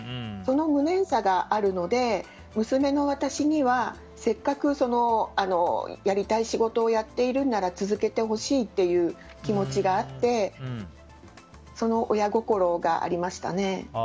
その無念さがあるので娘の私には、せっかくやりたい仕事をやっているなら続けてほしいという気持ちがあってその親心がありましたね。